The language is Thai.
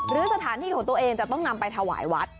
หรือสถานที่ของตัวเองจะต้องนำไปถวายวัด